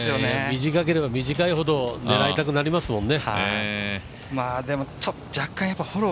短ければ短いほど狙いたくなりますもんね。